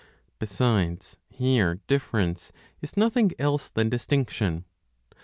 Besides, here difference is nothing else than distinction.